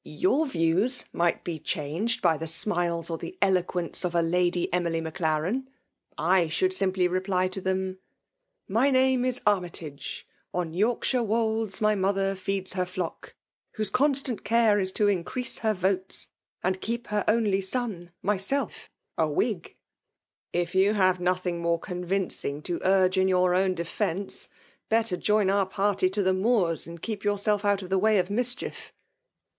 Your views might 4 be changed by the smiles or the eloquence of a Lady Emily Maclaren— >I should simply re ply to them, — My name is Annytage ! On Torkihife wolds my mother feeds her 6ock, llVhoee constant care is to increase her votes. And keep her only son, myself, a Whig !"" If you h^ve nothing more convincing to urge in your own defence, better join our i3 178 FEMALE DOMINATION. party to tke Moots, and keep youiself out of the way of miscliief."